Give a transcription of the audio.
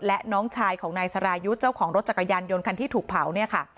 และน้องชายของนายสรายุทธ์เจ้าของรถจักรยานยนต์คันที่ถูกเผาเนี่ยค่ะ